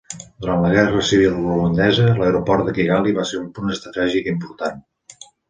Durant la Guerra Civil Ruandesa, l'aeroport de Kigali va ser un punt estratègic important.